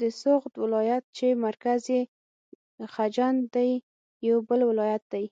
د سغد ولایت چې مرکز یې خجند دی یو بل ولایت دی.